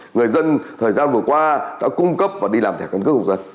người dân thời gian vừa qua đã cung cấp và đi làm thẻ cân cước của dân